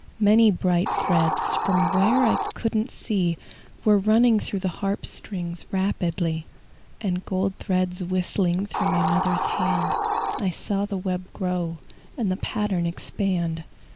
Many bright threads, From where I couldn't see, Were running through the harp strings Rapidly, And gold threads whistling Through my mother's hand. I saw the web grow, And the pattern expand.